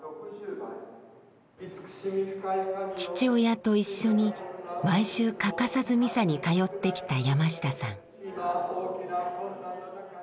父親と一緒に毎週欠かさずミサに通ってきた山下さん。